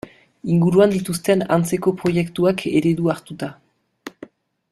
Inguruan dituzten antzeko proiektuak eredu hartuta.